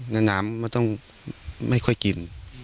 แล้วน้ำมันต้องไม่ค่อยกิน